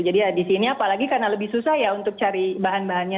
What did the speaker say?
jadi ya di sini apalagi karena lebih susah ya untuk cari bahan bahannya